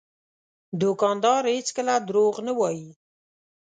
دوکاندار هېڅکله دروغ نه وایي.